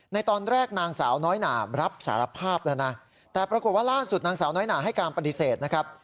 ในตอนแรกนางสาวน้อยหนารับสารภาพแล้วนะแต่ปรากฏว่าล่าสุดนางสาวน้อยหนาให้การปฏิเสธนะครับ